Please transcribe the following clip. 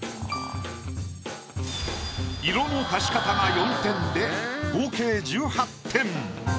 色の足し方が４点で合計１８点。